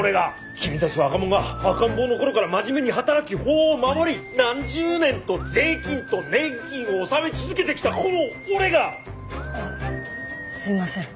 君たち若者が赤ん坊の頃から真面目に働き法を守り何十年と税金と年金を納め続けてきたこの俺が！あっすいません。